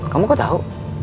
kamu kok tau